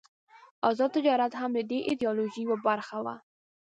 آزاد تجارت هم د دې ایډیالوژۍ یوه برخه وه.